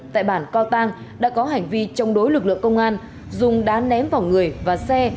tại bản co tăng đã có hành vi chống đối lực lượng công an dùng đá ném vào người và xe